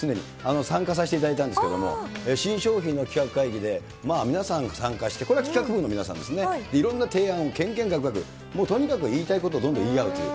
参加させていただいたんですけれども、新商品の企画会議で、皆さんが参加して、これ企画部の皆さんですね、いろんな提案、けんけんがくがく、もうとにかく言いたいことをどんどん言い合うという。